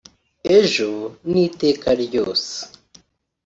ejo n’iteka ryose